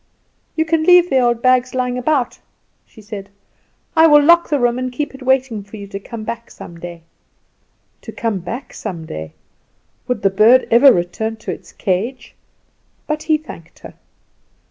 "You can leave the old things lying about," she said; "I will lock the room, and keep it waiting for you to come back some day." To come back some day! Would the bird ever return to its cage? But he thanked her.